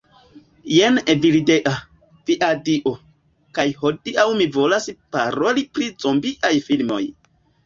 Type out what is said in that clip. Jen Evildea. Via Dio. kaj hodiaŭ mi volas paroli pri zombiaj filmoj